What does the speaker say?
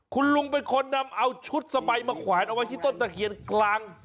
คุณลุงเป็นคนนำเอาชุดสบายมาแขวนเอาไว้ที่ต้นตะเคียนกลาง